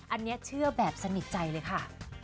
อันนี้เชื่อแบบสนิทใจเลยค่ะ